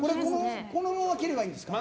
このまま切ればいいんですか？